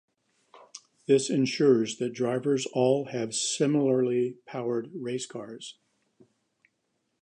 This ensures that drivers all have similarly powered racecars.